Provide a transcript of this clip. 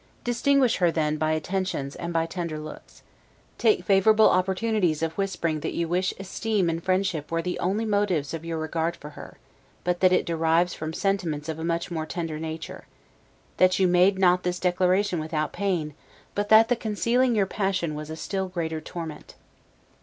Distinguish her, then, by attentions and by tender looks. Take favorable opportunities of whispering that you wish esteem and friendship were the only motives of your regard for her; but that it derives from sentiments of a much more tender nature: that you made not this declaration without pain; but that the concealing your passion was a still greater torment.